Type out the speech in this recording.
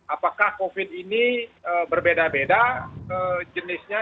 apakah covid ini berbeda beda jenisnya